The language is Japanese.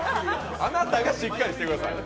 あなたがしっかりしてください！